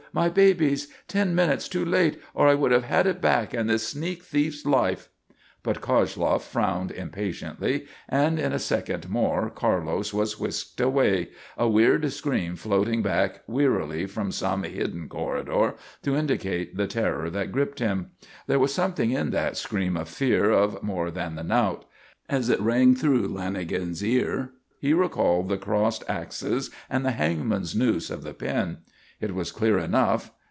My babies! Ten minutes too late, or I would have had it back and this sneak thief's life!" But Koshloff frowned impatiently and in a second more Carlos was whisked away, a wierd scream floating back wearily from some hidden corridor to indicate the terror that gripped him. There was something in that scream of fear of more than the knout. As it rang through Lanagan's ears, he recalled the crossed axes and the hangman's noose of the pin. It was clear enough.